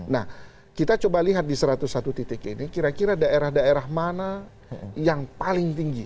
nah kita coba lihat di satu ratus satu titik ini kira kira daerah daerah mana yang paling tinggi